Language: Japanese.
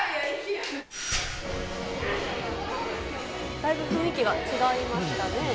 だいぶ、雰囲気が違いましたね。